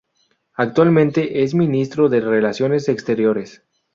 Actualmente es Ministro de Relaciones Exteriores.